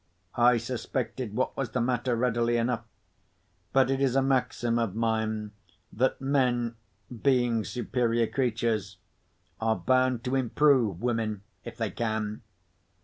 I suspected what was the matter readily enough. But it is a maxim of mine that men (being superior creatures) are bound to improve women—if they can.